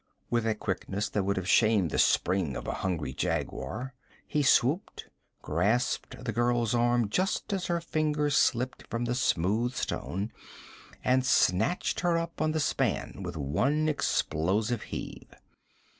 With a quickness that would have shamed the spring of a hungry jaguar, he swooped, grasped the girl's arm just as her fingers slipped from the smooth stone, and snatched her up on the span with one explosive heave.